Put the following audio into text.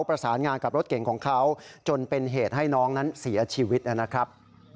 ประสานงานกับรถเก่งของเขาจนเป็นเหตุให้น้องนั้นเสียชีวิตนะครับ